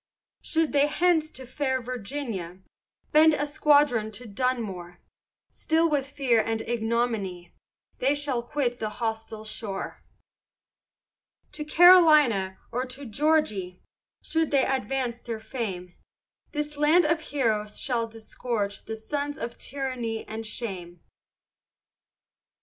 Should they thence to fair Virginia, Bend a squadron to Dunmore, Still with fear and ignominy, They shall quit the hostile shore. To Carolina or to Georg'y, Should they next advance their fame, This land of heroes shall disgorge the Sons of tyranny and shame.